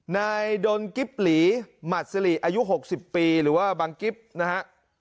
นายดนกิ๊บหลีหมัดสิริอายุ๖๐ปีหรือว่าบังกิ๊บนะฮะ